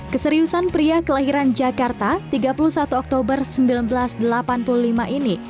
keseriusan pria kelahiran jakarta tiga puluh satu oktober seribu sembilan ratus delapan puluh lima ini